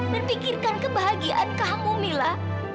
dan pikirkan kebahagiaan kamu mila